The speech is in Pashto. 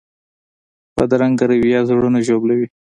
بدرنګه رویه زړونه ژوبلوي